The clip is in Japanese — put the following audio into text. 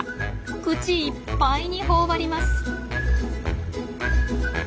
口いっぱいにほおばります。